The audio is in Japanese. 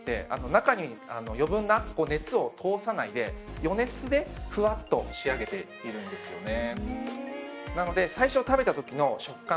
中に余分な熱を通さないで余熱でふわっと仕上げているんですよね。